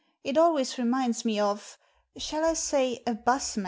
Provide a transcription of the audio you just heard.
It always reminds me of— shall I say a 'busman